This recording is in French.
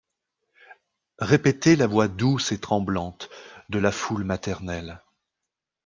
Répétait la voix douce et tremblante de la foule maternelle.